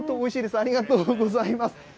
ありがとうございます。